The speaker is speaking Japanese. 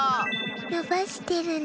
のばしてるの。